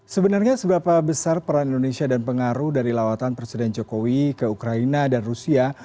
sebenarnya seberapa besar peran indonesia dan pengaruh dari lawatan presiden jokowi ke ukraina dan rusia